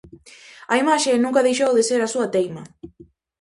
A imaxe nunca deixou de ser a súa teima.